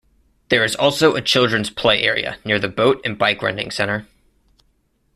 There is also a children's play area near the boat and bike renting center.